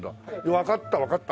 わかったわかった。